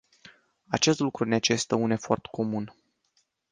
Acest lucru necesită un efort comun.